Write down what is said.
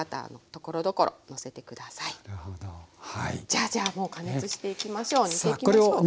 じゃあじゃあもう加熱していきましょう煮ていきましょう。